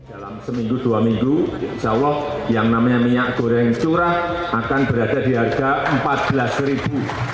dalam seminggu dua minggu insya allah yang namanya minyak goreng curah akan berada di harga rp empat belas